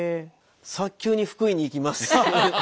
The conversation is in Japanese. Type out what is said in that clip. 早急に福井に行きます。